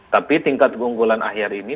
tapi tingkat keunggulan akhir ini